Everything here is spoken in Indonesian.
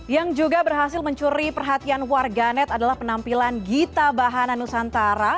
yang juga berhasil mencuri perhatian warganet adalah penampilan gita bahana nusantara